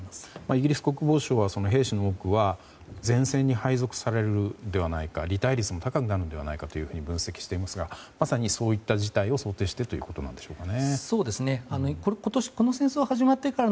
イギリス国防省は兵士の多くは前線に配属されるのではないか離隊率も高くなるのではないかと分析していますがまさにそういった事態を想定してということなんでしょうか。